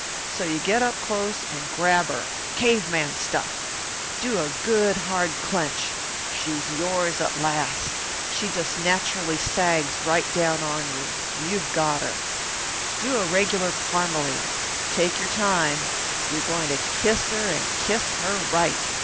So you get up close and grab her cave man stuff. Do a good hard clench she's yours at last; she just naturally sags right down on to you. You've got her. "Do a regular Parmalee. Take your time. You're going to kiss her and kiss her right.